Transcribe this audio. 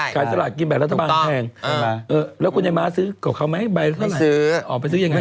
สลากินแบบรัฐบาลแพงแล้วคุณไอ้ม้าซื้อกับเขาไหมใบเท่าไหร่ซื้อออกไปซื้อยังไง